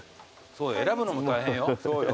選ぶのも大変よ。